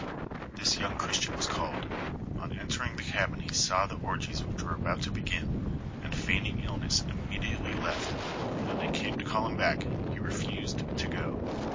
This young Christian was called ; on entering the cabin he saw the orgiM which were about to begin, and feigning illness immediately left, and though they came to call him back, he refused to go.